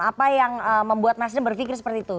apa yang membuat nasdem berpikir seperti itu